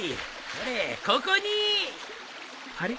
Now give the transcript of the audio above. ほれここに！あれ？